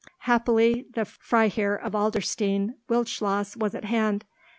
Happily the Freiherr of Adlerstein Wildschloss was at hand.